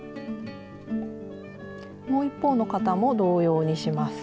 もう一方の肩も同様にします。